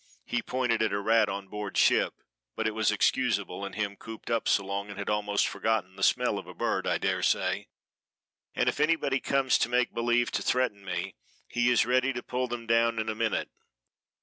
He pointed a rat on board ship but it was excusable, and him cooped up so long and had almost forgotten the smell of a bird, I daresay; and if anybody comes to make believe to threaten me he is ready to pull them down in a minute.